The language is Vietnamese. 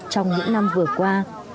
trong những năm vừa qua